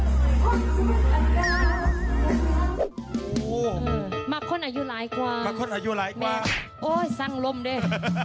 โอ้โหเออมาคนอายุร้ายกว่ามาคนอายุร้ายกว่าแม่โอ้ยสั่งลมดิ